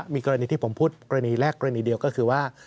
มีกรณีที่ผมพูดกรณีแรกกรณีเดียวก็คือว่า